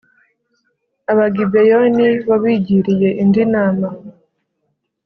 Abagibeyoni bo bigiriye indi nama